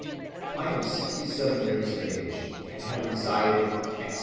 I am sixty‐seven years of age and have resided in X.